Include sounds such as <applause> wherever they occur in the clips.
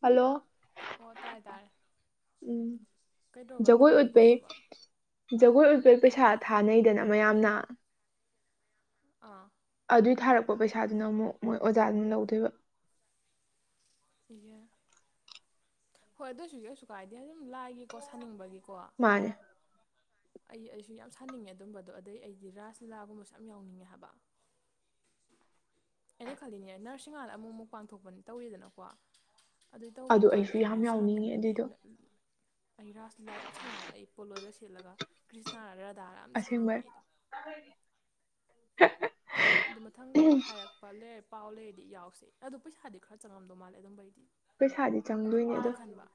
Hello. ꯑꯣ ꯇꯥꯔꯦ ꯇꯥꯔꯦ꯫ ꯎꯝ ꯀꯩꯗꯧꯔꯕ ꯖꯒꫭꯏ ꯎꯠꯄꯒꯤ ꯇꯝꯕꯩꯒꯤꯗ꯭ꯔꯣꯕ ꯖꯒꯣꯏ ꯎꯠꯄꯒꯤ ꯄꯩꯁꯥ ꯊꯥꯅꯩꯗꯅ ꯃꯌꯥꯝꯅ ꯑꯥ ꯑꯗꯨꯏ ꯊꯥꯔꯛꯄ ꯄꯩꯁꯥꯗꯨꯅ ꯑꯃꯨꯛ ꯃꯣꯏ ꯑꯣꯖꯥꯗꯨꯅ ꯂꯧꯗꯣꯏꯕ ꯏꯌꯦ ꯍꯣꯏ ꯑꯗꯨꯏꯁꯨ ꯀꯩꯁꯨ ꯀꯥꯏꯗꯦ ꯑꯗꯨꯝ ꯂꯥꯏꯒꯤꯀꯣ ꯁꯥꯅꯤꯡꯕꯒꯤꯀꯣ ꯃꯥꯟꯅꯦ ꯑꯩ ꯑꯩꯁꯨ ꯌꯥꯝ ꯁꯥꯅꯤꯡꯉꯦ ꯑꯗꯨꯝꯕꯗꯣ ꯑꯗꯩ ꯑꯩꯗꯤ ꯔꯥꯁ ꯂꯤꯂꯥꯒꯨꯝꯕꯁꯨ ꯌꯥꯝ ꯌꯥꯎꯅꯤꯡꯉꯦ ꯍꯥꯏꯕ <inaudible> ꯑꯩꯅ ꯈꯜꯂꯤꯅꯦ ꯅꯔꯁꯤꯡ ꯃꯥꯟꯂꯤꯅꯦ ꯑꯃꯨꯛ ꯑꯃꯨꯛ ꯃꯄꯥꯟ ꯊꯣꯛꯄꯅꯤ ꯇꯧꯋꯤꯗꯅꯀꯣ ꯑꯗꯨꯏ ꯇꯧꯕ ꯑꯗꯨ ꯀꯥꯟꯗ ꯑꯩꯁꯨ ꯑꯩ ꯌꯥꯝ ꯌꯥꯎꯅꯤꯡꯉꯦ ꯑꯗꯨꯏꯗꯣ ꯁꯥꯅꯤꯡꯉꯤꯅꯦ ꯑꯩꯅ ꯑꯩ ꯔꯥꯁ ꯂꯤꯂꯥ ꯌꯥꯝ ꯁꯥꯟꯅꯉꯦ ꯑꯩ ꯄꯣꯠꯂꯣꯏꯒ ꯁꯦꯠꯂꯒ ꯀ꯭ꯔꯤꯁꯅꯔ ꯔꯥꯙꯥꯔ ꯑꯃꯗꯤ ꯁꯥꯅꯤꯡꯉꯦ ꯑꯁꯦꯡꯕꯩ ꯑꯩꯗꯣ <inaudible> ꯑꯗꯨ ꯃꯊꯪꯒꯨꯝꯕ ꯍꯥꯏꯔꯛꯄ ꯂꯩꯔ ꯄꯥꯎ ꯂꯩꯔꯗꯤ ꯌꯥꯎꯁꯦ ꯑꯗꯨ ꯄꯩꯁꯥꯗꯤ ꯈꯔ ꯆꯪꯉꯝꯗꯧ ꯃꯥꯜꯂꯦ ꯑꯗꯨꯝꯕꯩꯗꯤ ꯄꯩꯁꯥꯗꯤ ꯆꯪꯗꯣꯏꯅꯦ ꯑꯗꯨ ꯑꯗꯨꯝ ꯈꯟꯕ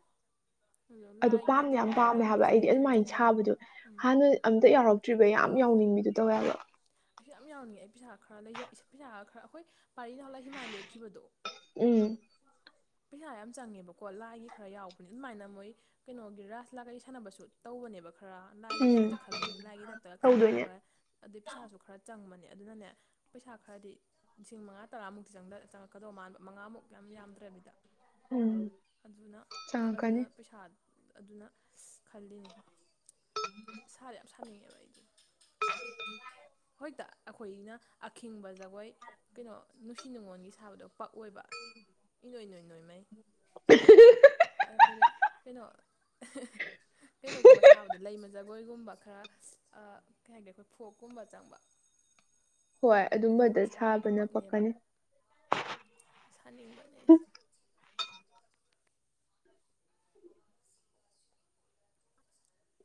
ꯑꯗꯣ ꯑꯗꯨ ꯂꯥꯏꯒꯤ ꯄꯥꯝꯗꯤ ꯌꯥꯝ ꯄꯥꯝꯃꯤ ꯇꯧꯔꯛꯄꯅꯤꯅꯀꯣ ꯍꯥꯏꯕ ꯄꯩꯁꯥꯗꯤ ꯑꯩꯗꯤ ꯈꯔ ꯑꯗꯨꯃꯥꯏꯅ ꯆꯪꯉꯅꯤ ꯁꯥꯕꯗꯣ ꯍꯥꯟꯅ ꯑꯝꯇ ꯌꯥꯎꯔꯛꯇ꯭ꯔꯤꯕꯩ ꯌꯥꯝ ꯌꯥꯎꯅꯤꯡꯕꯤꯗꯨ ꯇꯧꯋꯦ ꯍꯥꯏꯕ ꯑꯩꯁꯨ ꯌꯥꯝ ꯌꯥꯎꯅꯤꯡꯉꯦ ꯑꯩ ꯄꯩꯁꯥ ꯈꯔ ꯂꯩꯖ ꯄꯩꯁꯥ ꯈ ꯈꯔ ꯑꯩꯈꯣꯏ ꯄꯥꯔꯤ ꯅꯍꯥꯟꯂꯒ ꯍꯤꯃꯥꯏ ꯂꯦꯞꯈꯤꯕꯗꯣ ꯎꯝ ꯄꯩꯁꯥ ꯌꯥꯝ ꯆꯪꯉꯦꯕꯀꯣ ꯂꯥꯏꯒꯤ ꯈꯔ ꯌꯥꯎꯕꯅꯤ ꯑꯗꯨꯃꯥꯏꯅ ꯃꯣꯏ ꯀꯩꯅꯣꯒꯤ ꯔꯥꯁ ꯂꯤꯂꯥ ꯀꯔꯤ ꯁꯥꯟꯅꯕꯁꯨ ꯇꯧꯕꯅꯦꯕ ꯈꯔ ꯂꯥꯏꯒꯤ ꯎꯝ ꯇꯥꯏꯞꯇ ꯈꯟ ꯂꯥꯏꯒꯤ ꯇꯥꯏꯞꯇ ꯇꯧꯗꯣꯏꯅꯦ ꯈꯟꯅꯔꯒ ꯑꯗꯨꯗꯩ ꯄꯩꯁꯥꯁꯨ ꯈꯔ ꯆꯪꯕꯅꯦ ꯑꯗꯨꯅꯅꯦ ꯄꯩꯁꯥ ꯈꯔꯗꯤ ꯂꯤꯁꯤꯡ ꯃꯉꯥ ꯇꯔꯥꯃꯨꯛꯇꯤ ꯆꯪ ꯆꯪꯉꯛꯀꯗꯧ ꯃꯥꯟꯕ ꯃꯉꯥꯃꯨꯛ ꯌꯥꯝ ꯌꯥꯝꯗ꯭ꯔꯦꯕꯤꯗ ꯎꯝ ꯑꯗꯨꯅ ꯆꯪꯉꯛꯀꯅꯤ ꯑꯗꯨꯅ ꯄꯩꯁꯥ ꯑꯗꯨꯅ ꯈꯜꯂꯤꯅꯤ ꯁꯥꯗꯤ ꯌꯥꯝ ꯁꯥꯅꯤꯡꯉꯦꯕ ꯑꯩꯗꯣ ꯍꯣꯏꯛꯇ ꯑꯩꯈꯣꯏꯅ ꯑꯈꯤꯡꯕ ꯖꯒꯣꯏ ꯀꯩꯅꯣ ꯅꯨꯡꯁꯤ ꯅꯨꯡꯉꯣꯟꯒꯤ ꯁꯥꯕꯗꯣ ꯄꯛꯑꯣꯏꯕ ꯏ ꯅꯣꯏ ꯅꯣꯏ ꯅꯣꯏ ꯃꯩ ꯑꯩꯈꯣꯏꯅ ꯀꯩꯅꯣ ꯀꯩꯅꯣꯒꯨꯝꯕ ꯁꯥꯕꯗ ꯂꯩꯃ ꯖꯒ ꯒꯣꯏꯒꯨꯝꯕ ꯈꯔ ꯀꯩ ꯍꯥꯏꯒꯦ ꯑꯩꯈꯣꯏ ꯐꯣꯛꯀꯨꯝꯕ ꯆꯪꯕ ꯍꯣꯏ ꯑꯗꯨꯝꯕ ꯑꯗꯨꯝꯕꯗ ꯁꯥꯕꯅ ꯄꯛꯅꯦꯕ ꯄꯛꯀꯅꯤ ꯁꯥꯅꯤꯡꯕꯅꯦ ꯑꯩꯁꯦ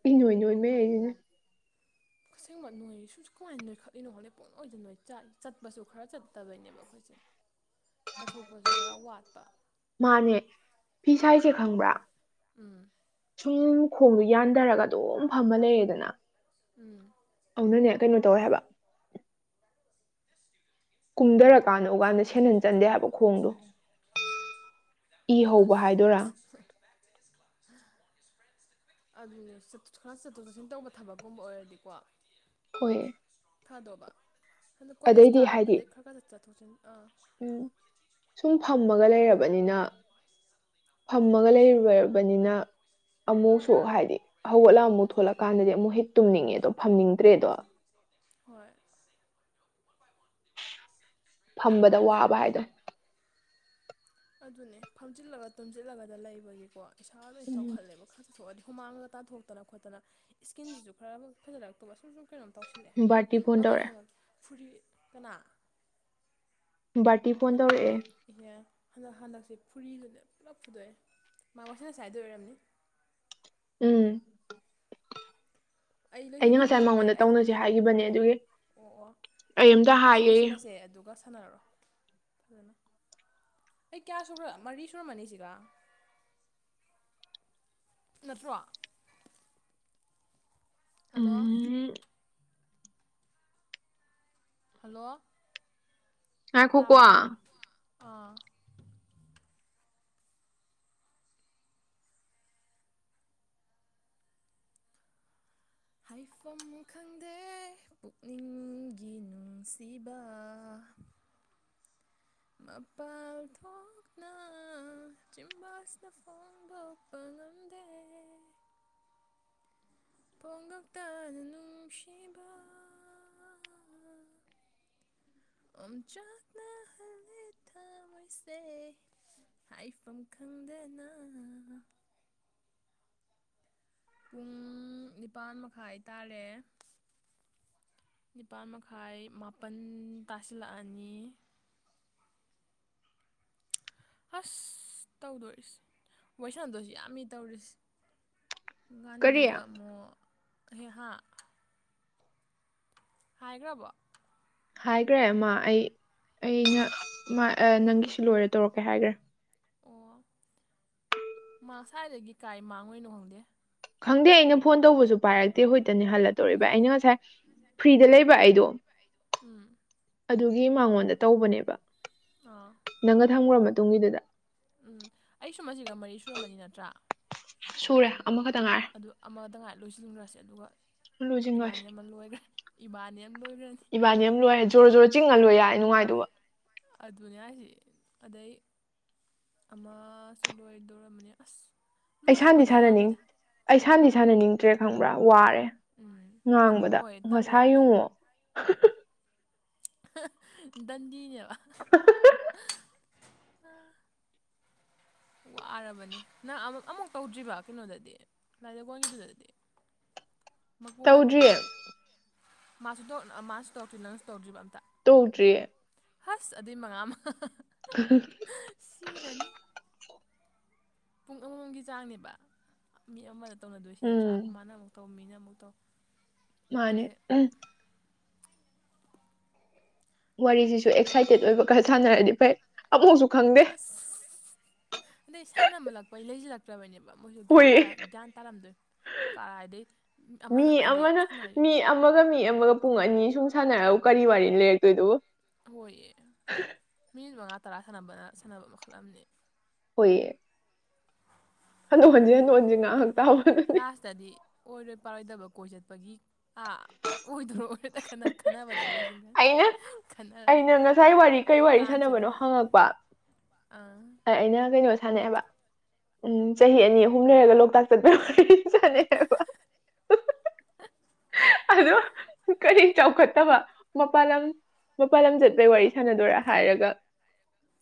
ꯏꯅꫭꯏ ꯅꯣꯏꯃꯩ ꯍꯥꯏꯁꯤꯅꯦ ꯑꯁꯦꯡꯕ ꯅꯣꯏ ꯁꯤꯁꯨ ꯀꯃꯥꯏꯅ ꯅꯣꯏꯈꯠꯂꯤꯅꯣ ꯈꯪꯗꯦ ꯄꯪꯅꯣꯏꯗ ꯅꯣꯏ ꯆ ꯆꯠꯄꯁꯨ ꯈꯔ ꯆꯠꯇꯕꯩꯅꯦꯕ ꯑꯩꯈꯣꯏꯁꯦ ꯇꯠꯊꯣꯛꯄꯁꯨ ꯈꯔ ꯋꯥꯠꯄ ꯃꯥꯅꯦ ꯐꯤꯁꯥꯏꯁꯦ ꯈꯪꯕ꯭ꯔꯥ ꯎꯝ ꯁꯨꯝ ꯈꯣꯡꯗꯣ ꯌꯥꯟꯗꯔꯒ ꯑꯗꯨꯝ ꯐꯝꯃ ꯂꯩꯔꯦꯗꯅ ꯎꯝ ꯑꯗꯨꯅꯅꯦ ꯀꯩꯅꯣ ꯇꯧꯋꯦ ꯍꯥꯏꯕ ꯀꯨꯝꯗꯔꯀꯥꯟꯗ <unintelligible> ꯁꯦꯟꯗꯟ ꯆꯟꯗꯦ ꯍꯥꯏꯕ ꯈꯣꯡꯗꯣ ꯏ ꯍꯧꯕ ꯑꯁ ꯍꯥꯏꯗꯣꯏꯔꯥ <unintelligible> ꯑꯗꯨꯅꯦ ꯈꯔ ꯆꯠꯊꯣꯛ ꯆꯠꯁꯤꯟ ꯇꯧꯕ ꯊꯕꯛꯀꯨꯝꯕ ꯑꯣꯏꯔꯗꯤꯀꯣ ꯍꯣꯏ ꯊꯥꯗꯨꯕ ꯑꯗꯣ ꯀꯣꯂꯦꯖ ꯑꯗꯩꯗꯤ ꯍꯥꯏꯗꯤ ꯀꯥꯔꯕꯗꯩ ꯈꯔ ꯈꯔ ꯆꯠꯊꯣꯛꯁꯤꯟ ꯑꯥ ꯎꯝ ꯁꯨꯝ ꯐꯝꯃꯒ ꯂꯩꯔꯕꯅꯤꯅ ꯐꯝꯃꯒ ꯂꯩꯔꯨꯔꯕꯅꯤꯅ ꯑꯃꯨꯛꯁꯨ ꯍꯥꯏꯗꯤ ꯍꯧꯒꯠꯂ ꯑꯃꯨꯛ ꯊꯣꯛꯂꯛꯀꯥꯟꯗꯗꯤ ꯑꯃꯨꯛ ꯍꯦꯛ ꯇꯨꯝꯅꯤꯡꯉꯦꯗꯣ ꯐꯝꯅꯤꯡꯗ꯭ꯔꯦꯗꯣ ꯍꯣꯏ ꯐꯝꯕꯗ ꯋꯥꯕ ꯍꯥꯏꯗꯣ ꯑꯗꯨꯅꯦ ꯐꯝꯖꯤꯜꯂꯒ ꯇꯨꯝꯖꯜꯂꯒꯗ ꯂꯩꯕꯒꯤꯀꯣ ꯏꯁꯥ ꯂꯣꯏ ꯎꯝ ꯆꯥꯎꯈꯠꯂꯦꯕ ꯊꯣꯛꯑꯗꯤ ꯍꯨꯃꯥꯡꯗꯒ ꯇꯥꯊꯣꯛꯇꯅ ꯈꯣꯠꯇꯅ ꯏꯁꯀꯤꯟꯁꯤꯁꯨ ꯈꯔ ꯐꯖꯅ ꯇꯨꯕ ꯁꯨꯝ ꯁꯨꯝ ꯀꯩꯅꯣꯝ ꯇꯧꯁꯤꯜꯂꯛꯑꯦ ꯕꯥꯔꯇꯤ ꯐꯣꯟ ꯑꯗꯣ ꯑꯩ ꯇꯧꯔꯛꯑꯦ ꯍꯟꯗꯛ ꯐꯨꯔꯤ ꯀꯅꯥ ꯕꯥꯔꯇꯤ ꯐꯣꯟ ꯇꯧꯔꯛꯑꯦ ꯏꯍꯦ ꯍꯟꯗꯛ ꯍꯟꯗꯛꯁꯦ ꯐꯨꯔꯤꯒꯁꯦ ꯄꯨꯂꯞ ꯐꯨꯗꯣꯛꯑꯦ ꯃꯥ ꯋꯥꯔꯤ ꯁꯥꯅꯁꯦ ꯍꯥꯏꯗꯣꯏ ꯑꯣꯏꯔꯝꯅꯤ ꯎꯝ ꯑꯩ ꯑꯩꯅ ꯉꯁꯥꯏ ꯂꯣꯏꯁꯤꯜꯂꯝꯃꯒ ꯃꯉꯣꯟꯗ ꯑꯩ ꯇꯧꯅꯁꯦ ꯍꯥꯏꯈꯤꯕꯅꯦ ꯑꯗꯨꯒꯤ ꯑꯣ ꯑꯣ ꯑꯩ ꯑꯝꯇ ꯑꯩꯁꯨ ꯍꯥꯏꯒꯦ ꯂꯣꯏꯁꯤꯜꯂꯁꯦ ꯑꯗꯨꯒ ꯁꯥꯟꯅꯔꯔꯣ ꯐꯖꯅ ꯑꯩ ꯀꯌꯥ ꯁꯨꯈ꯭ꯔꯦ ꯃꯔꯤ ꯁꯨꯔꯝꯃꯅꯤꯁꯤꯒ ꯅꯠꯇ꯭ꯔꯣ ꯍꯜꯂꯣ ꯎꯝ ꯍꯜꯂꯣ ꯉꯥꯏꯈꯣꯀꯣ ꯇꯥꯕ꯭ꯔꯣ ꯑꯥ ꯍꯥꯏꯐꯝ ꯈꯪꯗꯦ ꯄꯨꯛꯅꯤꯡꯒꯤ ꯅꯨꯡꯁꯤꯕ ꯃꯄꯥꯜ ꯊꯣꯛꯅ ꯆꯤꯝꯕꯥꯥꯜꯁꯤꯅ ꯐꯣꯡꯗꯣꯛꯄ ꯄꯥꯉꯝꯗꯦ ꯄꯣꯡꯉꯛꯇꯅ ꯅꯨꯡꯁꯤꯕ ꯑꯣꯝ ꯆꯥꯛꯅꯍꯜꯂꯦ ꯊꯋꯥꯏꯁꯦ ꯍꯥꯏꯐꯝ ꯈꯪꯗꯅ ꯄꯨꯡ ꯅꯤꯄꯥꯥꯟ ꯃꯈꯥꯏ ꯇꯥꯔꯦ ꯅꯤꯄꯥꯜ ꯃꯈꯥꯏ ꯃꯥꯄꯜ ꯇꯥꯁꯤꯜꯂꯛꯑꯅꯤ ꯑꯁ ꯇꯧꯗꯣꯔꯤꯁ ꯃꯣꯏ ꯁꯥꯟꯅꯗꯣꯏꯁꯨ ꯌꯥꯝꯃꯤ ꯇꯧꯔꯤꯁꯦ ꯀꯔꯤ ꯉꯥꯟꯕꯤꯒ ꯑꯃꯨꯛ ꯍꯦꯛꯍꯥꯟ ꯍꯥꯏꯈ꯭ꯔꯕꯣ ꯍꯥꯏꯈ꯭ꯔꯦ ꯑꯃ ꯑꯩ ꯑꯩꯅ ꯅꯪꯒꯤꯁꯨ ꯂꯣꯏꯔ ꯇꯧꯔꯛꯀꯦ ꯍꯥꯏꯈ꯭ꯔꯦ ꯑꯣ ꯃꯥ ꯁ꯭ꯋꯥꯏꯗꯒꯤ ꯀꯥꯏ ꯃꯥꯡꯉꯨꯏꯅꯣ ꯈꯪꯗꯦ꯫ ꯈꯪꯗꯦ ꯑꯩꯅ ꯐꯣꯟ ꯇꯧꯕꯁꯨ ꯄꯥꯏꯔꯛꯇꯦ ꯍꯣꯏꯇꯅꯤ ꯍꯜꯂꯛ ꯇꯧꯔꯤꯕ ꯑꯩꯅ ꯉꯁꯥꯏ ꯐ꯭ꯔꯤꯗ ꯂꯩꯕ ꯑꯩꯗꯣ ꯎꯝ ꯑꯗꯨꯒꯤ ꯃꯉꯣꯟꯗ ꯇꯧꯕꯅꯦꯕ ꯑꯥ ꯅꯪꯒ ꯊꯝꯉ꯭ꯔ ꯃꯇꯨꯡꯒꯤꯗꯨꯗ ꯎꯝ ꯑꯩꯁꯨ ꯃꯁꯤꯒ ꯃꯔꯤ ꯁꯨꯔꯝꯕꯅꯤ ꯅꯠꯇ꯭ꯔꯥ ꯁꯨꯔꯦ ꯑꯃꯈꯛꯇ ꯉꯥꯏꯔꯦ ꯑꯗꯨ ꯑꯃꯗ ꯉꯥꯏ ꯂꯣꯏꯁꯤꯟꯈ꯭ꯔꯁꯦ ꯑꯗꯨꯒ ꯂꯨꯖꯤꯡꯒꯁꯦ ꯏꯕꯥꯅꯤ ꯑꯃ ꯂꯣꯏꯈ꯭ꯔꯦ ꯏꯕꯥꯅꯤ ꯑꯃ ꯂꯣꯏꯈ꯭ꯔꯅꯤ ꯏꯕꯥꯅꯤ ꯑꯃ ꯂꯣꯏꯔꯦ ꯖꯣꯔ ꯖꯣꯔ ꯆꯤꯡꯉ ꯂꯣꯏ ꯌꯥꯔꯏ ꯅꯨꯡꯉꯥꯏꯗꯨꯕ ꯑꯗꯨꯅꯦ ꯍꯥꯏꯁꯤ ꯑꯗꯩ ꯑꯃꯁꯨ ꯂꯣꯏꯗꯧꯔꯝꯕꯅꯦ ꯑꯁ ꯑꯩ ꯁꯥꯟꯗꯤ ꯂꯣꯏꯗꯕꯅ ꯁꯥꯟꯅꯅꯤꯡ ꯌꯥꯝꯃꯤꯗ ꯑꯩ ꯁꯥꯟꯗꯤ ꯁꯥꯟꯅꯅꯤꯡꯗ꯭ꯔꯦ ꯈꯪꯕ꯭ꯔꯥ ꯋꯥꯔꯦ꯫ ꯎꯝ ꯉꯥꯡꯕꯗ ꯍꯣꯏ ꯉꯁꯥꯏ ꯇꯜꯂꯕꯅꯦ ꯌꯦꯡꯉꯣ ꯗꯟꯗꯤꯅꯦꯕ ꯋꯥꯔꯕꯅꯦ ꯅꯪ ꯑꯃꯨꯛ ꯑꯃꯨꯛ ꯇꯧꯗ꯭ꯔꯤꯕ ꯀꯩꯅꯣꯗꯗꯤ ꯂꯥꯏꯔꯒꯣꯟꯒꯤꯗꯨꯗꯗꯤ <unintelligible> ꯃꯄꯨ ꯃꯥꯟꯕꯤꯗꯣ ꯇꯧꯗ꯭ꯔꯤꯌꯦ ꯃꯥꯁꯨ ꯗꯣꯠ ꯃꯥꯁꯨ ꯇꯧꯔꯛꯇ꯭ꯔꯤ ꯅꯪꯁꯨ ꯇꯧꯗ꯭ꯔꯤꯕ ꯑꯝꯇ ꯇꯧꯗ꯭ꯔꯤꯌꯦ ꯐꯥꯁ ꯑꯗꯨꯏ ꯃꯉꯥ ꯑꯃ ꯑ <unintelligible> ꯁꯤꯔꯅꯤ ꯄꯨꯡ ꯑꯃꯃꯝꯒꯤ ꯆꯥꯡꯅꯦꯕ ꯃꯤ ꯑꯃꯅ ꯇꯧꯅꯗꯣꯏꯁꯤ ꯅꯠꯇ꯭ꯔꯥ ꯎꯝ ꯃꯥꯅ ꯑꯃꯨꯛ ꯇꯧ ꯃꯤꯅ ꯑꯃꯨꯛ ꯇꯧ ꯃꯥꯅꯦ ꯑꯗꯩ ꯎꯝ꯫ ꯋꯥꯔꯤꯁꯤꯁꯨ ꯑꯦꯛꯁꯥꯏꯇꯦꯠ ꯑꯣꯏꯕ ꯈꯔ ꯁꯥꯟꯅꯔꯗꯤ ꯐꯩ ꯑꯃꯨꯛꯁꯨ ꯈꯪꯗꯦ ꯑꯁ ꯑꯗꯩ ꯁꯥꯟꯅꯕ ꯂꯥꯛꯄꯩ ꯂꯩꯖꯜ ꯐꯈ꯭ꯔꯕꯅꯦꯕ ꯃꯣꯏꯁꯨ ꯒꯌꯥꯟ ꯇꯥꯔꯛ ꯍꯨꯏꯌꯦ ꯒ꯭ꯌꯥꯟ ꯇꯥꯔꯝꯗꯣꯏ ꯀꯔꯥꯏꯗꯩ ꯑꯃꯅ ꯃꯤ ꯍꯥꯏꯗꯤ ꯁꯥꯟꯅꯔꯤ ꯃꯤ ꯑꯃꯒ ꯃꯤ ꯑꯃꯒ ꯄꯨꯡ ꯑꯅꯤ ꯁꯨꯝ ꯁꯥꯟꯅꯔꯕꯨ ꯀꯔꯤ ꯋꯥꯔꯤ ꯂꯩꯔꯛꯇꯣꯏꯗꯨꯕꯨ ꯍꯣꯏꯌꯦ ꯃꯤ ꯃꯉꯥ ꯇꯔꯥ ꯁꯥꯟꯅꯕꯅ ꯁꯥꯟꯅꯕ ꯃꯈꯜ ꯑꯃꯅꯤ꯫ ꯍꯣꯏꯌꯦ ꯍꯅꯨ ꯍꯟꯁꯤꯦꯅꯨ ꯍꯟꯁꯤ ꯉꯍꯥꯛꯇꯥꯎ ꯂꯥꯁꯇꯗꯤ ꯑꯣꯏꯔꯣꯏ ꯄꯥꯔꯣꯏꯗꯕ ꯀꯣꯏ ꯆꯠꯄꯒꯤ ꯑꯥ ꯑꯣꯏꯗꯣ ꯈꯟꯅꯕꯗ ꯂꯣꯏꯖꯤꯟꯈꯔꯅꯤ꯫ ꯑꯩꯅ ꯉꯁꯥꯏ ꯋꯥꯔꯤ ꯀꯩ ꯋꯥꯔꯤ ꯄ꯭ꯂꯥꯟ ꯁꯤꯜꯂ ꯁꯥꯟꯅꯕꯅꯣ ꯍꯪꯉꯛꯄ ꯑꯥ ꯑꯩꯅ ꯀꯩꯅꯣ ꯁꯥꯟꯅꯩ ꯍꯥꯏꯕ ꯎꯝ ꯆꯍꯤ ꯑꯅꯤ ꯑꯍꯨꯝ ꯂꯩꯔꯒ ꯂꯣꯛꯇꯥꯛ ꯆꯠꯄꯩ ꯋꯥꯔꯤ ꯅꯤꯕ <unintelligible> <unintelligible> ꯑꯗꯣ ꯀꯔꯤ ꯆꯥꯎꯈꯠꯇꯕ ꯃꯄꯜ ꯂꯝ ꯃꯥꯄꯜ ꯂꯝ ꯆꯠꯄꯩ ꯋꯥꯔꯤ ꯁꯥꯟꯅꯗꯣꯏꯔꯥ ꯍꯥꯏꯔꯒ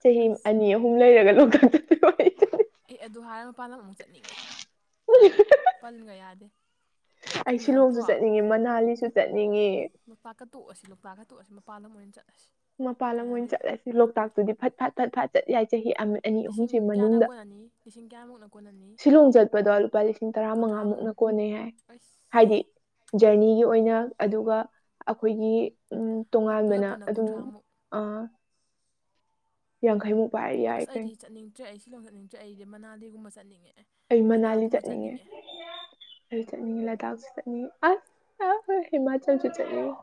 ꯆꯍꯤ ꯑꯁ ꯑꯅꯤ ꯑꯍꯨꯝ ꯂꯩꯔꯒ ꯂꯣꯛꯇꯥꯛꯇ <unintelligible> ꯑꯦ ꯑꯗꯨ ꯍꯥꯏꯔꯒ ꯃꯄꯥꯥꯟꯂꯝ ꯑꯃꯨꯛ ꯆꯠꯅꯤꯡꯉꯦ ꯄꯜꯒ ꯌꯥꯗꯦ ꯑꯩ ꯁꯤꯂꯣꯡꯁꯨ ꯆꯠꯅꯤꯡꯉꯛꯇ꯭ꯔꯣ ꯆꯠꯅꯤꯡꯉꯤ ꯃꯅꯥꯂꯤꯁꯨ ꯆꯠꯅꯤꯡꯉꯤ ꯂꯣꯛꯇꯥꯛꯀ ꯇꯣꯛꯑꯁꯤ ꯂꯣꯛꯇꯥꯛꯀ ꯇꯣꯛꯑꯁꯤ ꯃꯄꯥꯟ ꯂꯝ ꯑꯣꯏꯅ ꯆꯠꯂꯁꯤ ꯃꯄꯥꯟ ꯂꯝ ꯑꯣꯏꯅ ꯀꯥꯟꯅꯗꯦ ꯆꯠꯂꯁꯤ ꯂꯣꯛꯇꯥꯛꯇꯨꯗꯤ ꯐꯠ ꯐꯠ ꯐꯠ ꯐꯥꯠ ꯆꯠ ꯌꯥꯏ ꯆꯍꯤ ꯑꯃ ꯑꯅꯤ ꯂꯤꯁꯤꯡ ꯑꯍꯨꯝꯁꯤ ꯀꯌꯥꯅ ꯃꯅꯨꯡꯗ ꯀꯣꯟꯅꯅꯤ ꯂꯤꯁꯤꯡ ꯀꯌꯥꯃꯨꯛꯅ ꯀꯣꯟꯅꯅꯤ ꯁꯤꯂꯣꯡ ꯆꯠꯄꯗꯣ ꯂꯨꯄꯥ ꯂꯤꯁꯤꯡ ꯀꯨꯟꯊ꯭ꯔꯥꯃꯨꯛ ꯇꯔꯥꯃꯉꯥꯃꯨꯛꯅ ꯀꯣꯟꯅꯩ ꯍꯥꯏ ꯍꯥꯏꯗꯤ ꯑꯩꯁ ꯖ꯭ꯔꯅꯤꯒꯤ ꯑꯣꯏꯅ ꯑꯗꯨꯒ ꯑꯩꯈꯣꯏꯒꯤ ꯎꯝ ꯄꯨꯂꯞ ꯇꯣꯉꯥꯟꯕꯅ ꯄꯨꯟꯅ ꯑꯗꯨꯝ ꯀꯨꯟꯊ꯭ꯔꯥꯃꯨꯛ ꯑ ꯌꯥꯡꯈꯩꯃꯨꯛ ꯄꯥꯏꯔ ꯌꯥꯔꯦ ꯑꯁ ꯀꯩꯅꯣ ꯑꯩꯗꯤ ꯆꯠꯅꯤꯡꯇꯔꯦ ꯑꯩ ꯁꯤꯂꯣ ꯆꯠꯅꯤꯡꯇꯔꯦ ꯑꯩꯗꯤ ꯃꯅꯥꯂꯤꯒꯨꯝꯕ ꯆꯠꯅꯤꯡꯉꯦ ꯑꯦ ꯑꯩ ꯃꯅꯥꯂꯤ ꯆꯠꯅꯤꯡꯉꯦ ꯑꯩꯖꯨ ꯆꯠꯅꯤꯉꯤ ꯂꯗꯥꯛꯁꯨ ꯆꯠꯅꯤꯡꯉꯤ ꯑꯁ ꯑ ꯍꯤꯃꯥꯆꯜꯁꯨ ꯆꯠꯅꯤꯡꯉꯤ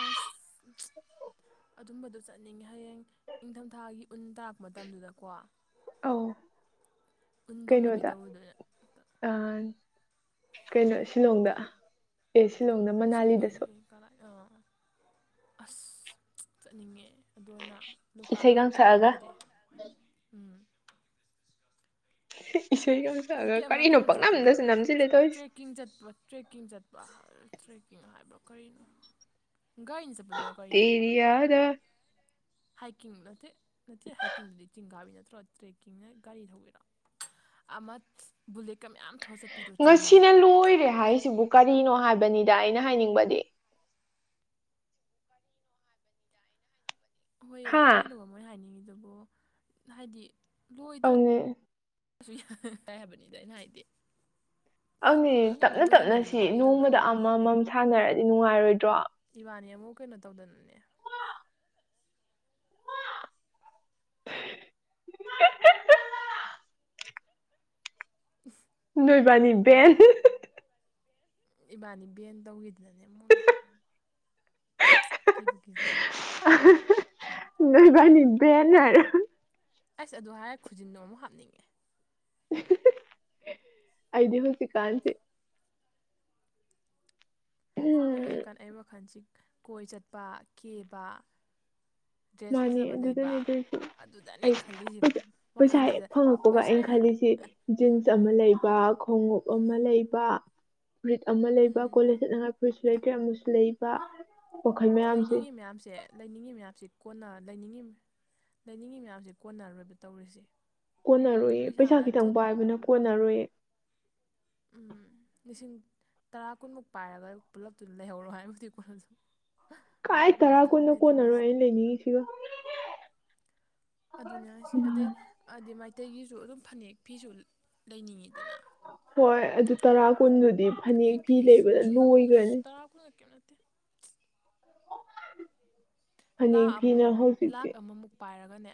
ꯑꯁ ꯑꯗꯨꯝꯕꯗꯣ ꯆꯠꯅꯤꯡꯉꯦ ꯍꯌꯦꯡ ꯏꯪꯊꯝ ꯊꯥꯒꯤ ꯎꯟ ꯇꯥꯔꯛꯄ ꯃꯇꯝꯗꯨꯗꯀꯣ ꯑꯧ ꯎꯟ ꯗꯨꯝꯅꯕꯤ ꯇꯧꯔꯨꯗꯣꯏꯔꯥ ꯑ ꯀꯩꯅꯣ ꯁꯤꯂꯣꯡꯗ ꯑꯦ ꯁꯤꯂꯣꯡꯗꯥꯥ ꯑꯁꯤ ꯀꯔꯥꯏ ꯑꯥ ꯑꯁ ꯆꯠꯅꯤꯡꯉꯦ ꯑꯗꯨ ꯑꯣꯏꯅ ꯂꯣꯛꯇꯥꯛꯒ ꯏꯁꯩꯒ ꯁꯛꯑꯒ ꯆꯠꯅꯤꯡꯒꯤꯗ꯭ꯔꯦ ꯎꯝ ꯏꯁꯩ ꯀꯥꯁꯨ ꯁꯛꯑꯒ ꯑꯗꯒꯤ ꯀꯔꯤꯅꯣ ꯄꯡꯅꯝꯗꯖꯨ ꯅꯝꯖꯜꯂꯦ ꯇꯧꯔꯤꯁꯦ ꯆꯤꯡ ꯆꯠꯄꯔꯣ ꯇ꯭ꯔꯦꯛꯀꯤꯡ ꯆꯠꯄ ꯇ꯭ꯔꯦꯛꯀꯤꯡ ꯍꯥꯏꯕ ꯀꯔꯤꯅꯣ ꯒꯥꯥꯏꯔꯤꯅ ꯆꯠ ꯇꯦꯔꯤ ꯌꯥꯗꯥ ꯍꯥꯏꯀꯤꯡ ꯅꯠꯇꯦ ꯅꯠꯇꯦ ꯍꯥꯏꯀꯤꯡꯗꯨꯗꯤ ꯆꯤꯡꯀꯥꯕꯤ ꯅꯠꯇ꯭ꯔꯣ ꯇ꯭ꯔꯦꯛꯀꯤꯡꯅ ꯒꯥꯔꯤ ꯊꯧꯕꯤꯔꯣ ꯑꯃ ꯕꯨꯂꯦꯠꯀ ꯃꯌꯥꯝ ꯊꯧꯔ ꯆꯠꯄꯤꯗꯣ ꯆꯤꯡ ꯉꯁꯤꯅ ꯂꯝꯕꯤꯗ ꯂꯣꯏꯔꯦ ꯍꯥꯏꯁꯤꯕꯨ ꯀꯔꯤꯅꯣ ꯍꯥꯏꯕꯅꯤꯗ ꯑꯩꯅ ꯍꯥꯏꯅꯤꯡꯕꯗꯤ ꯍꯣꯏ ꯍꯥ ꯀꯔꯤꯅꯣ ꯃꯣꯏ ꯍꯥꯏꯅꯤꯡꯉꯤꯗꯨꯕꯨ ꯍꯥꯏꯗꯤ ꯂꯣꯏꯗ꯭ꯔ ꯑꯗꯨꯅꯦ ꯁꯨ ꯌꯥꯏ ꯍꯥꯏꯕꯅꯤꯗ ꯑꯩꯅ ꯍꯥꯏꯗꯤ ꯑꯗꯨꯅꯤ ꯃꯣꯏꯅ ꯑꯃꯨꯛ ꯇꯞꯅ ꯂꯣꯏꯍꯟꯅꯤꯡꯉꯤꯗꯣ ꯇꯞꯅꯁꯤ ꯀꯔꯤ ꯅꯣꯡꯃꯗ ꯇꯧꯕꯩꯅꯣꯕ ꯑꯃꯃꯝ ꯁꯥꯟꯅꯔꯗꯤ ꯅꯨꯡꯉꯥꯏꯔꯣꯏꯗ꯭ꯔꯣ ꯏꯕꯥꯅꯤ ꯑꯃꯨꯛ ꯀꯩꯅꯣ ꯇꯧꯗꯅꯅꯦ ꯏꯁ ꯅꯣꯏꯕꯥꯏꯅꯤ ꯕꯦꯟ ꯏꯕꯥꯅꯤ ꯕꯦꯟ ꯇꯧꯈꯤꯗꯅꯅꯦ ꯑꯃꯨꯛꯅꯦ ꯀꯤꯕꯨ ꯀꯤꯖꯩ ꯅꯣꯏꯕꯥꯢꯅꯤ ꯕꯦꯟ ꯍꯥꯏꯔ ꯑꯁ ꯑꯗꯨ ꯍꯥꯏꯔ ꯈꯨꯖꯤꯟꯗꯣ ꯑꯃꯨꯛ ꯍꯥꯞꯅꯤꯡꯉꯦ <unintelligible> ꯑꯩꯗꯤ ꯍꯧꯖꯤꯛꯀꯥꯟꯁꯦ ꯎꯝ ꯑꯩ ꯍꯧꯖꯤꯛꯀꯥꯟ ꯑꯩ ꯋꯥꯈꯟꯁꯤ ꯀꯣꯏ ꯆꯠꯄꯥ ꯀꯦꯕꯥ ꯃꯥꯅꯦ ꯑꯗꯨꯗꯅꯦ ꯑꯗꯨ ꯑꯗꯨꯗꯅꯦ ꯑꯩꯁ ꯈꯜꯂꯤꯁꯤꯕꯨ ꯄꯩꯁꯥ ꯍꯦꯛ ꯋꯥꯈꯜꯁꯤꯗ ꯐꯪꯉꯛꯄꯒ ꯄꯩꯁꯥ ꯑꯩ ꯈꯜꯂꯤꯁꯤ ꯖꯤꯟꯁ ꯑꯃ ꯑꯥ ꯂꯩꯕ ꯈꯣꯡꯉꯨꯞ ꯑꯃ ꯎꯝ ꯂꯩꯕ ꯐꯨꯔꯤꯠ ꯑꯃ ꯂꯩꯕ ꯎꯝ ꯀꯣꯂꯦꯖ ꯆꯠꯅꯉꯥꯏ ꯐꯨꯔꯤꯠꯁꯨ ꯂꯩꯇꯔꯦ ꯑꯃꯁꯨ ꯂꯩꯕ ꯋꯥꯈꯜ ꯃꯌꯥꯝꯁꯦ ꯂꯩꯅꯤꯡꯉꯤ ꯃꯌꯥꯝꯁꯦ ꯂꯩꯅꯤꯡꯉꯤ ꯃꯌꯥꯝꯁꯤ ꯀꯣꯟꯅ ꯂꯩꯅꯤꯡꯉꯤ ꯂꯩꯅꯤꯡꯉꯤ ꯃꯌꯥꯝꯁꯦ ꯀꯣꯟꯅꯔꯣꯏꯕ ꯇꯧꯔꯤꯁꯦ ꯀꯣꯟꯅꯔꯣꯏꯌꯦ ꯄꯩꯁꯥ ꯄꯩꯁꯥꯅ ꯈꯤꯇꯪ ꯊꯨꯠ ꯄꯥꯏꯕꯅ ꯀꯣꯟꯅꯔꯣꯏꯌꯦ ꯎꯝ ꯂꯤꯁꯤꯡ ꯇꯔꯥ ꯀꯨꯟꯃꯨꯛ ꯄꯥꯏꯔꯒ ꯄꯨꯂꯞꯇꯨ ꯂꯩꯍꯧꯔꯣ ꯍꯥꯏꯕꯗꯤ ꯀꯣꯟꯅꯗꯧ ꯀꯥꯏ ꯇꯔꯥ ꯀꯨꯟꯅꯣ ꯀꯣꯟꯅꯔꯣꯏ ꯑꯩꯅ ꯂꯩꯅꯤꯡꯉꯤꯁꯤꯒ ꯑꯗꯨꯅꯦ ꯍꯥꯏꯁꯦ ꯑꯗꯩ ꯑꯗꯤ ꯃꯩꯇꯩꯒꯤꯁꯨ ꯑꯗꯨꯝ ꯐꯅꯦꯛ ꯐꯤꯁꯨ ꯂꯩꯅꯤꯡꯉꯤꯗꯅꯥ ꯍꯣꯏ ꯑꯗꯨ ꯇꯔꯥ ꯀꯨꯟꯗꯨꯗꯤ ꯐꯅꯦꯛ ꯐꯤ ꯂꯩꯕꯗ ꯂꯣꯏꯒ꯭ꯔꯅꯤ <unintelligible> ꯀꯩꯝ ꯅꯠꯇꯦ꯫ ꯂꯥ ꯐꯅꯦꯛ ꯐꯤꯅ ꯑꯃꯃꯨꯛ ꯂꯥꯛ ꯍꯧꯖꯤꯛꯇꯤ ꯑꯃꯃꯨꯛ ꯄꯥꯏꯔꯒꯅꯦ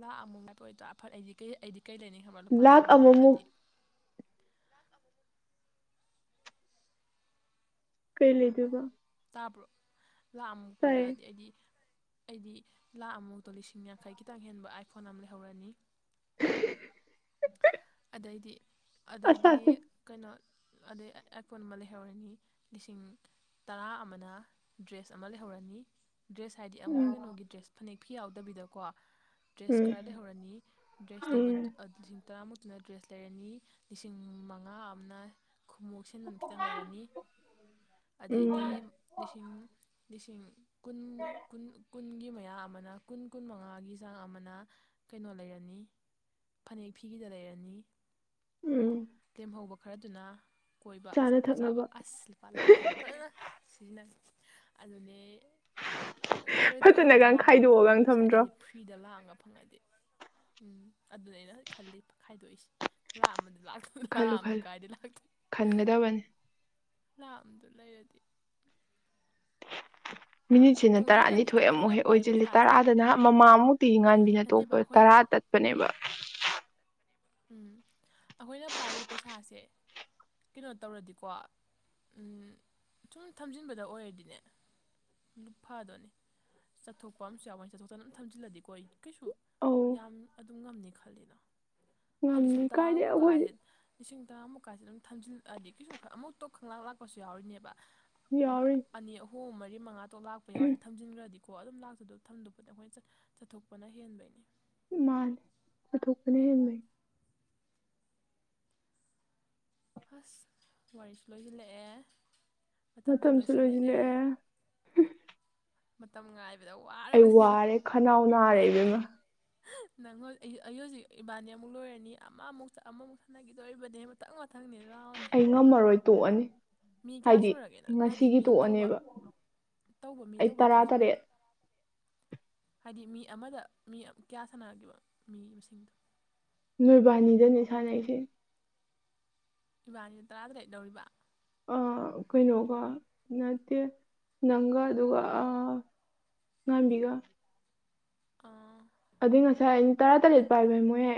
ꯂꯥꯛꯑ ꯑꯃꯨꯛ ꯉꯥꯏꯄꯑꯣꯏꯗ꯭ꯔꯥ ꯑꯐꯠ ꯑꯩꯗꯤ ꯀꯩ ꯑꯩꯗꯤ ꯀꯩ ꯂꯩꯅꯤ ꯂꯨꯄꯥ ꯂꯥꯛ ꯑꯃ ꯄꯤꯔꯛꯑꯗꯤ ꯀꯩ ꯂꯤꯗꯨꯕ ꯇꯥꯕ꯭ꯔꯣ ꯂꯥꯛ ꯃꯨꯛ ꯄꯤꯔꯛꯑꯗꯤ ꯑꯩꯗꯤ ꯑꯩꯗꯤ ꯂꯥꯛ ꯑꯃꯃꯨꯛꯇꯣ ꯂꯤꯁꯤꯡ ꯌꯥꯡꯈꯩ ꯈꯤꯇꯪ ꯍꯦꯟꯕ ꯑꯥꯏꯐꯣꯟ ꯑꯃ ꯂꯩꯍꯧꯔꯅꯤ꯫ <unintelligible> ꯑꯁ ꯑꯗꯩꯗꯤ ꯑꯁ ꯀꯩꯅꯣ ꯑꯗꯩ ꯑꯥꯏꯐꯣꯟ ꯑꯃ ꯂꯩꯍꯧꯔꯅꯤ ꯂꯤꯁꯤꯡ ꯇꯔꯥ ꯑꯃꯅ ꯗ꯭ꯔꯦꯁ ꯑꯃ ꯂꯩꯍꯧꯔꯅꯤ ꯗ꯭ꯔꯦꯁ ꯍꯥꯏꯗꯤ ꯑꯃꯨ ꯎꯝ ꯀꯩꯅꯣꯒꯤ ꯗ꯭ꯔꯦꯁ ꯐꯅꯦꯛ ꯐꯤ ꯌꯥꯎꯗꯕꯤꯗꯀꯣ ꯗ꯭ꯔꯦꯁ ꯎꯝ ꯈꯔ ꯂꯩꯍꯧꯔꯅꯤ ꯗ꯭ꯔꯦꯁ ꯂꯩꯕ ꯎꯝ ꯂꯤꯁꯤꯡ ꯇꯔꯥꯃꯨꯛꯇꯨꯅ ꯗ꯭ꯔꯦꯁ ꯂꯩꯔꯅꯤ ꯂꯤꯁꯤꯡ ꯃꯉꯥ ꯑꯃꯅ ꯈꯎꯣꯛꯁꯤꯟ ꯑꯗꯨꯅ ꯈꯤꯇꯪ ꯂꯩꯔꯅꯤ ꯎꯝ ꯑꯗꯩꯗꯤ ꯂꯤꯁꯤꯡ ꯂꯤꯁꯤꯡ ꯀꯨꯟꯃꯨꯛ ꯀꯨꯟ ꯀꯨꯟꯒꯤ ꯃꯌꯥ ꯑꯃꯅ ꯀꯨꯟ ꯀꯨꯟ ꯃꯉꯥꯒꯤ ꯆꯥꯡ ꯑꯃꯅ ꯀꯩꯅꯣ ꯂꯩꯔꯅꯤ ꯐꯅꯦꯛ ꯐꯤꯒꯤꯗ ꯂꯩꯔꯅꯤ ꯎꯝ ꯂꯦꯝꯍꯧꯕ ꯈꯔꯗꯨꯅ ꯀꯣꯏꯕ ꯆꯥꯅ ꯑꯆꯥꯄꯣꯠꯆꯥꯕ ꯊꯛꯅꯕ ꯑꯁꯨ ꯂꯨꯄꯥ ꯂꯥꯛ ꯑꯃꯅ ꯐꯖꯅ ꯁꯤꯖꯤꯟꯅ ꯑꯗꯨꯅꯦ ꯅꯨꯡꯉꯥꯏꯔꯣꯏꯗ꯭ꯔꯣ ꯐꯖꯅꯒ ꯑꯗꯨꯃꯥꯏꯅ ꯂꯥꯛꯑꯝꯒ ꯈꯥꯏꯗꯣꯛꯑꯒ ꯐꯪꯉ ꯏꯁꯥ ꯊꯝꯗ꯭ꯔꯣ ꯑꯩ ꯐ꯭ꯔꯤꯗ ꯂꯥꯡꯛꯑꯝꯒ ꯐꯪꯉꯗꯤ ꯎꯝ ꯑꯗꯨꯅꯦ ꯈꯜꯂꯤ ꯈꯥꯏꯗꯣꯛꯏꯁꯦ ꯂꯥꯛ ꯑꯃꯗꯨ ꯂꯥꯛ ꯈꯜꯂꯨ ꯑꯃꯗꯨ ꯈꯜꯂꯨ ꯀꯥꯏꯗ ꯂꯥꯛꯀꯦ <unintelligible> ꯈꯟꯒꯗꯕꯅꯤ ꯥ ꯂꯥꯞ ꯑꯝꯇ ꯂꯩꯔꯗꯤ ꯃꯤꯅꯤꯠꯁꯤꯅ ꯇꯨꯡꯁꯤꯜꯂꯗꯤꯀꯣ ꯇꯔꯥꯅꯤꯊꯣꯏ ꯑꯃꯨꯛ ꯑꯩꯈꯣꯏꯅ ꯍꯦꯛ ꯄꯥꯏ ꯑꯣꯏꯖꯤꯜꯂꯤ ꯄꯩꯁꯥꯁꯦ ꯇꯔꯥꯗꯅ ꯃꯃꯥꯃꯨꯛ ꯇꯤ ꯅꯠꯇꯦꯕ ꯉꯥꯟꯕꯤꯅꯇꯣꯛꯄ ꯑꯩꯈꯣꯏꯅ ꯇꯔꯥ ꯇꯠꯄꯅꯦꯕ ꯎꯝ ꯑꯩꯈꯣꯏꯅ ꯄꯥꯏꯔꯤ ꯄꯩꯁꯥꯁꯦ ꯀꯩꯅꯣ ꯇꯧꯔꯗꯤꯀꯣ ꯁꯨꯝ ꯊꯝꯖꯤꯟꯕꯗ ꯑꯣꯏꯔꯗꯤꯅꯦ ꯑꯗꯨ ꯐꯗꯣꯏꯅꯦ ꯆꯠꯊꯣꯛꯄ ꯑꯃꯁꯨ ꯌꯥꯎꯒꯩ ꯆꯠꯊꯣꯛꯇꯅ ꯑꯗꯨꯝ ꯊꯝꯖꯤꯜꯂꯗꯤ ꯀꯣꯏ ꯀꯩꯁꯨ ꯑꯧ ꯌꯥꯝ ꯑꯗꯨꯝ ꯉꯝꯅꯤ ꯈꯜꯂꯤꯅ ꯍꯥꯏ ꯂꯤꯁꯤꯡ ꯉꯝꯃꯤ ꯀꯥꯏꯗꯩ ꯇꯔꯥꯃꯨꯛꯀꯥ ꯑꯩꯈꯣꯏꯗꯤ ꯍꯥꯏꯁꯦ ꯏꯁꯤꯡ ꯇꯔꯥꯃꯨꯛꯀꯥꯁꯦ ꯑꯗꯨꯝ ꯊꯝꯖꯤꯜꯂꯛꯑꯗꯤ ꯀꯩꯁꯨ ꯑꯃꯨꯛꯇ ꯈꯪꯂꯥꯛ ꯂꯥꯛꯄꯁꯨ ꯌꯥꯎꯔꯤꯅꯦꯕ ꯌꯥꯎꯔꯤꯅꯤ ꯑꯅꯤ ꯑꯍꯨꯝ ꯃꯔꯤ ꯃꯉꯥ ꯇꯣ ꯂꯥꯛꯄ ꯌꯥꯎꯋꯅ ꯊꯝꯖꯤꯟꯈ꯭ꯔꯗꯤꯀꯣ ꯑꯗꯨꯝ ꯂꯥꯛꯇꯗ ꯊꯝꯗꯕꯗ ꯑꯩꯈꯣꯏꯅ ꯆꯠꯊꯣꯛꯄꯅ ꯍꯦꯟꯕꯩꯅꯤ ꯃꯥꯜ ꯑꯊꯀꯅꯦ ꯐꯁ ꯋꯥꯔꯤꯁꯨ ꯂꯣꯏꯁꯤꯜꯂꯛꯑꯦ ꯃꯇꯝꯁꯨ ꯂꯣꯏꯁꯤꯜꯂꯛꯑꯦ ꯃꯇꯝ ꯉꯥꯏ ꯑꯩ ꯋꯥꯔꯦ ꯈꯅꯥꯎ ꯅꯥꯔꯦ ꯑꯗꯨꯅ ꯅꯪ ꯑꯩ ꯍꯧꯖꯤꯛ ꯏꯕꯥꯅꯤ ꯑꯃꯨꯛ ꯂꯣꯏꯔꯅꯤ ꯑꯃ ꯑꯃꯨꯛ ꯑꯃꯃꯨꯛ ꯁꯥꯟꯅꯈꯤꯗꯣꯔꯤꯕꯅꯤ ꯃꯊꯪ ꯃꯊꯪꯅꯤ ꯔꯥꯎꯟ ꯑꯩ ꯉꯝꯃꯔꯣꯏ ꯇꯣꯛꯑꯅꯤ ꯃꯤ ꯀꯌꯥ ꯍꯥꯏꯗꯤ ꯁꯨꯔꯒꯦꯅꯪ ꯃꯥꯗꯤ ꯉꯁꯤꯒꯤ ꯃꯤ ꯇꯧꯕ ꯇꯣꯛꯑꯅꯦꯕ ꯇꯧꯕ ꯃꯤ ꯑꯩ ꯇꯧꯕ ꯇꯔꯥ ꯀꯌꯥ ꯇꯔꯦꯠ ꯁꯨꯔꯒꯦ ꯍꯥꯏꯗꯤ ꯃꯤ ꯑꯃꯗ ꯃꯤ ꯀꯌꯥ ꯁꯥꯟꯅꯒꯦꯕ ꯃꯤ ꯃꯁꯤꯡꯗꯣ ꯅꯣꯏꯕꯥꯅꯤꯗꯅꯦ ꯁꯥꯟꯅꯩꯁꯦ ꯏꯕꯥꯅꯤꯅ ꯇꯔꯥ ꯇꯔꯦꯠ ꯂꯧꯔꯤꯕ ꯑ ꯀꯩꯅꯣꯒ ꯅꯠꯇꯦ ꯅꯪꯒ ꯑꯗꯨꯒ ꯑ ꯕꯤꯒꯥ ꯑꯥ ꯑꯗꯨꯏ ꯉꯁꯥꯏ ꯑꯩꯅ ꯇꯔꯥ ꯇꯔꯦꯠ ꯄꯥꯏꯕ ꯃꯣꯏ ꯌꯥ